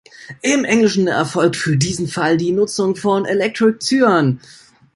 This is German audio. Im Englischen erfolgt für diesen Fall die Nutzung von "Electric Cyan".